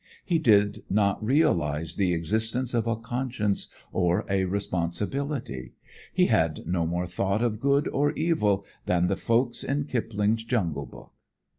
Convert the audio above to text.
He did not realize the existence of a conscience or a responsibility. He had no more thought of good or evil than the folks in Kipling's Jungle book.